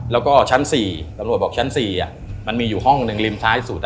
แล้วก็ชั้น๔ตำรวจบอกชั้น๔มันมีอยู่ห้องหนึ่งริมท้ายสุด